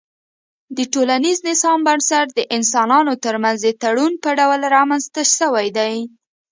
د ټولنيز نظام بنسټ د انسانانو ترمنځ د تړون په ډول رامنځته سوی دی